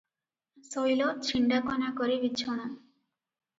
ଶୋଇଲ ଛିଣ୍ଡାକନା କରି ବିଛଣା-- ।